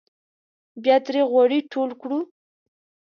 بیا ترې غوړي ټول کړو.